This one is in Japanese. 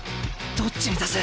どっちに出す？